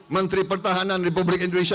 menteri pertahanan republik indonesia